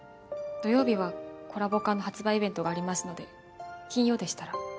土曜日はコラボ缶の発売イベントがありますので金曜でしたら。